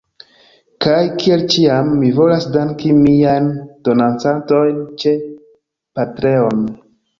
Kaj, kiel ĉiam, mi volas danki miajn donacantojn ĉe Patreon